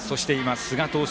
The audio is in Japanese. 寿賀投手